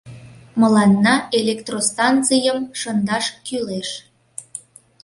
— Мыланна электростанцийым шындаш кӱлеш.